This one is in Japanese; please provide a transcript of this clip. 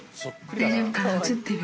大丈夫かな？